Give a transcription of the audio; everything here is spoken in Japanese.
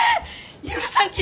許さんき！